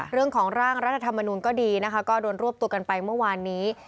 เรื่องของร่างรัฐธรรมนุนก็ดีนะคะก็โดนรวบตัวกันไปเมื่อวานนี้